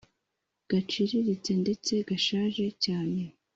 gacirirtse ndetse gashaje cyane,